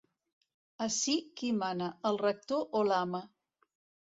Ací qui mana, el rector o l'ama?